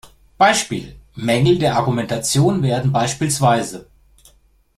Beispiel: Mängel der Argumentation werden bspw.